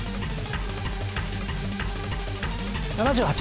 ７８。